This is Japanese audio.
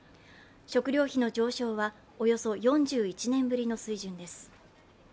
食料費の上昇は、およそ４１年ぶりの水準です。